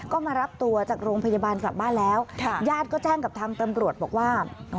ก็มารับตัวจากโรงพยาบาลกลับบ้านแล้วญาติก็แจ้งกับทางตำรวจบอกว่า